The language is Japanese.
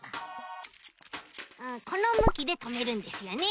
このむきでとめるんですよね。